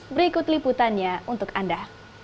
berikut liputannya untuk anda